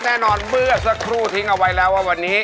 แน่นอนเมื่อสักครู่ทิ้งเอาไว้แล้วว่าวันนี้